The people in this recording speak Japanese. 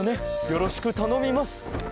よろしくたのみます。